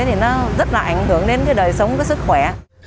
thì nó rất là ảnh hưởng đến cái đời sống cái sức khỏe